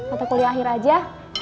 atau kuliah akhir aja